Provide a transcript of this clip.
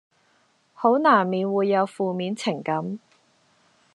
好難免會有負面情感